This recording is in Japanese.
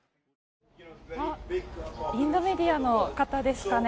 インドメディアの方ですかね。